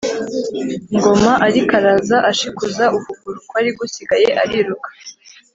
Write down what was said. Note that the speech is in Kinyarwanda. Ngoma ariko araza ashikuza ukuguru kwari gusigaye ariruka,